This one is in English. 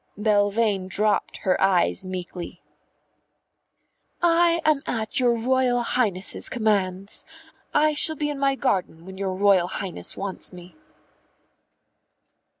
Belvane dropped her eyes meekly. "I am at your Royal Highness's commands. I shall be in my garden when your Royal Highness wants me."